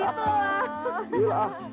ya maka gitu lah